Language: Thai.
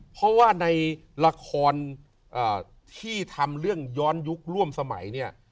เพราะว่าในละครที่ทำเรื่องย้อนยุคร่วมสมัยเนี่ย